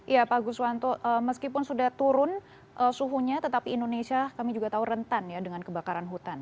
ya pak guswanto meskipun sudah turun suhunya tetapi indonesia kami juga tahu rentan ya dengan kebakaran hutan